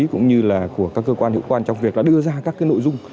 cũng như là của các cơ quan hữu quan trong việc đưa ra các nội dung